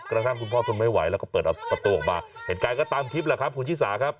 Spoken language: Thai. กระทั่งคุณพ่อทนไม่ไหวแล้วก็เปิดประตูออกมาเหตุการณ์ก็ตามคลิปแหละครับคุณชิสาครับ